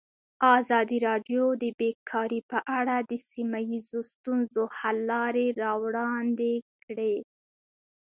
ازادي راډیو د بیکاري په اړه د سیمه ییزو ستونزو حل لارې راوړاندې کړې.